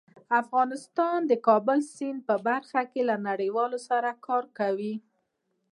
افغانستان د کابل سیند په برخه کې له نړیوالو سره کار کوي.